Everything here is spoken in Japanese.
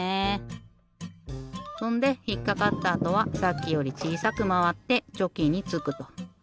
そんでひっかかったあとはさっきよりちいさくまわってチョキにつくと。